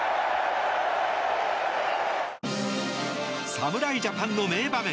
侍ジャパンの名場面